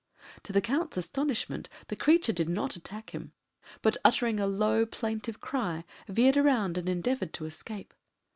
To the Count's astonishment the creature did not attack him, but uttering a low plaintive cry, veered round and endeavoured to escape.